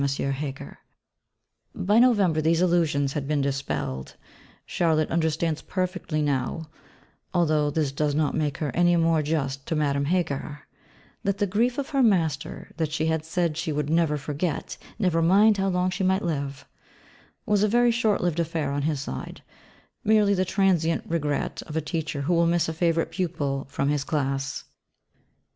Heger. By November these illusions have been dispelled; Charlotte understands perfectly now (although this does not make her any more just to Madame Heger) that the 'grief' of her 'Master,' that she had said she would 'never forget, never mind how long she might live,' was a very short lived affair on his side; merely the transient regret of a teacher who will miss a favourite pupil from his class.